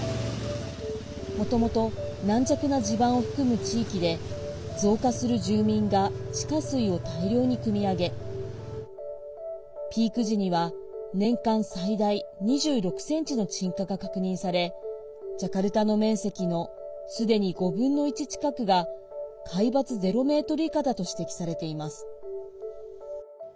もともと軟弱な地盤を含む地域で増加する住民が地下水を大量にくみ上げピーク時には年間最大２６ｃｍの沈下が確認されジャカルタの面積のすでに５分の１近くが海抜ゼロメートル以下だと指摘されています。